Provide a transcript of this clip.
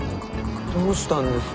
どうしたんですか？